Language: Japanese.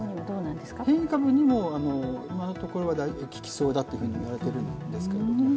変異株にも今のところは効きそうだと言われているんですけど。